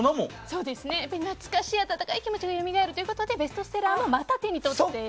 懐かしい温かい気持ちがよみがえるということでベストセラーもまた手に取って。